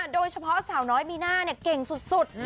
โดยเฉพาะสาวน้อยมีหน้าเนี่ยเก่งสุด